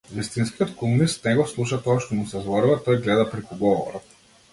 Вистинскиот комунист не го слуша тоа што му се зборува, тој гледа преку говорот.